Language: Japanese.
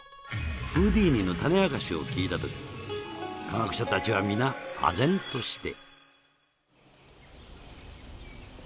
フーディーニのタネ明かしを聞いた時科学者たちは皆あ然として